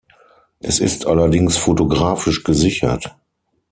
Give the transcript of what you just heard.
Es ist allerdings fotografisch gesichert.